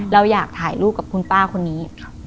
เราอยากถ่ายรูปกับคุณป้าคนนี้